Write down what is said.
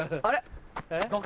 あれ？